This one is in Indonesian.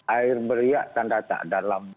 air beriak tanda tak dalam